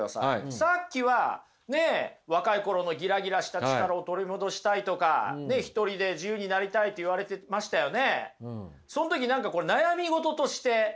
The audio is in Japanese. さっきはね若い頃のギラギラした力を取り戻したいとか１人で自由になりたいと言われてましたよね。